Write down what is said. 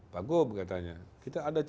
bagus katanya kita ada